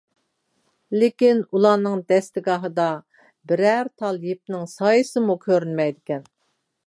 لېكىن ئۇلارنىڭ دەستىگاھىدا بىرەر تال يىپنىڭ سايىسىمۇ كۆرۈنمەيدىكەن.